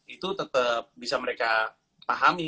itu tetap bisa mereka pahami